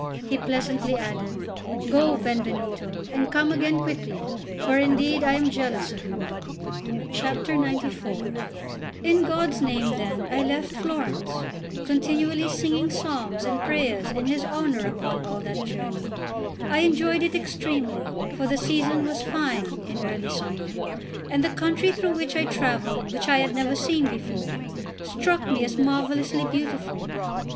He pleasantly added: "Go, Benvenuto, and come again quickly, for indeed I am jealous of you." Note 1. The Ermo is more correctly Eremo, and Vernia is Alvernia. XCIV IN God's name then I left Florence, continually singing psalms and prayers in His honour upon all that journey. I enjoyed it extremely; for the season was fine, in early summer, and the country through which I travelled, and which I had never seen before, struck me as marvellously beautiful.